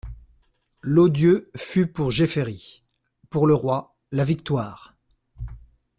L'odieux fut pour Jefferies, pour le roi la victoire.